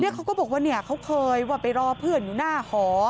เขาก็บอกว่าเขาเคยว่าไปรอเพื่อนอยู่หน้าหอ